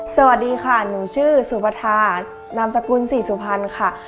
สวัสดีค่ะหนูชื่อสุปทานามสกุลศรีสุพรรณค่ะ